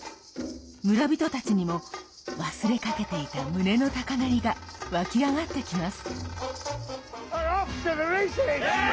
村人たちにも忘れかけていた胸の高鳴りが湧き上がってきます。